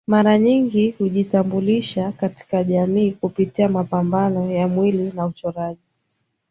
Maranyingi hujitambulisha katika jamii kupitia mapambo ya mwili na uchoraji